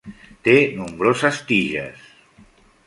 Té nombroses tiges.